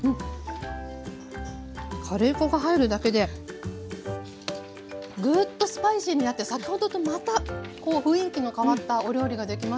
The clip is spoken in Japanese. カレー粉が入るだけでぐっとスパイシーになって先ほどとまた雰囲気の変わったお料理ができますね。